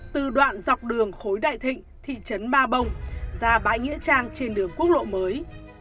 từ đoạn dọc đường khối đại thịnh thị trấn ba bông ra bãi nghĩa trang trên đường quốc lộ mới